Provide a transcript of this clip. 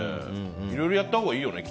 いろいろやったほうがいいよね。